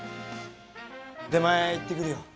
出前行ってくるよ。